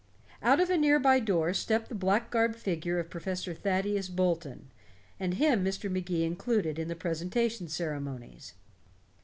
Out of a near by door stepped the black garbed figure of Professor Thaddeus Bolton, and him Mr. Magee included in the presentation ceremonies.